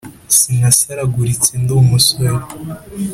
Sinasaraguritse ndi umusore